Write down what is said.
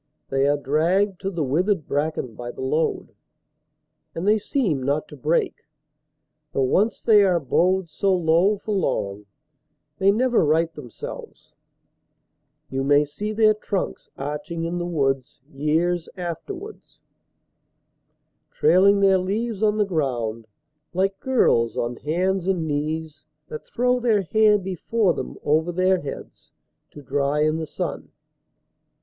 They are dragged to the withered bracken by the load, And they seem not to break; though once they are bowed So low for long, they never right themselves: You may see their trunks arching in the woods Years afterwards, trailing their leaves on the ground Like girls on hands and knees that throw their hair Before them over their heads to dry in the sun.